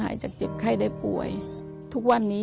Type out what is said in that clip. ทำงานชื่อนางหยาดฝนภูมิสุขอายุ๕๔ปี